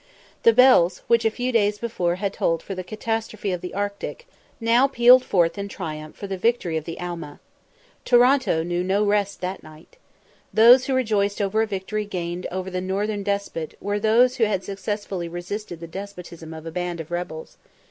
The bells, which a few days before had tolled for the catastrophe of the Arctic, now pealed forth in triumph for the victory of the Alma. Toronto knew no rest on that night. Those who rejoiced over a victory gained over the northern despot were those who had successfully resisted the despotism of a band of rebels.